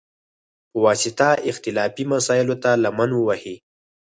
په واسطه، اختلافي مسایلوته لمن ووهي،